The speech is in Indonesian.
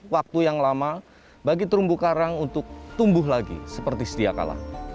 waktu yang lama bagi terumbu karang untuk tumbuh lagi seperti sedia kala